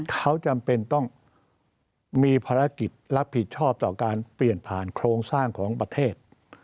เขาจำเป็นต้องมีภารกิจรับผิดชอบต่อการเปลี่ยนผ่านโครงสร้างของประเทศ